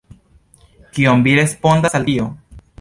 Kion vi respondas al tio?